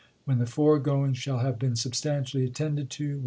When the foregoing shall have been substantially at tended to : 1.